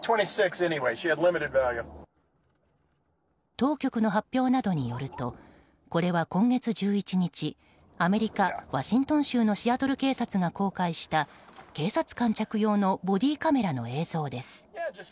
当局の発表などによるとこれは今月１１日アメリカ・ワシントン州のシアトル警察が公開した警察官着用のボディーカメラの映像です。